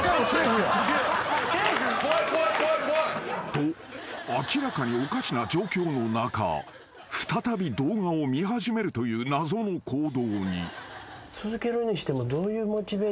［と明らかにおかしな状況の中再び動画を見始めるという謎の行動に］